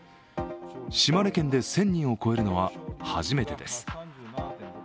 島根県で１０００人を超えるのは初めてです。